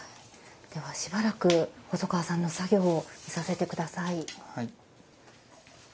ではしばらく細川さんの作業を見させて下さい。